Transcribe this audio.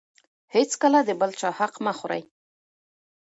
هېڅکله د بل چا حق مه خورئ.